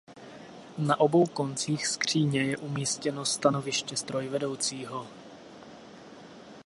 Na obou koncích skříně je umístěno stanoviště strojvedoucího.